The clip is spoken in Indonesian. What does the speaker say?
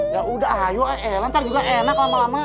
ya udah ayo eh lantar juga enak lama lama